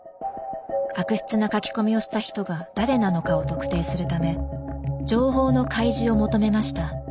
悪質な書き込みをした人が誰なのかを特定するため情報の開示を求めました。